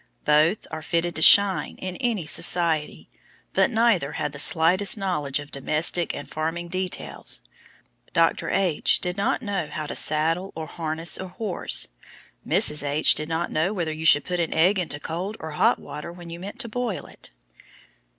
Both are fitted to shine in any society, but neither had the slightest knowledge of domestic and farming details. Dr. H. did not know how to saddle or harness a horse. Mrs. H. did not know whether you should put an egg into cold or hot water when you meant to boil it!